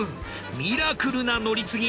ミラクルな乗り継ぎ。